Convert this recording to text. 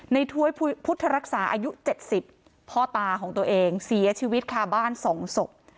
ถ้วยพุทธรักษาอายุ๗๐พ่อตาของตัวเองเสียชีวิตคาบ้าน๒ศพ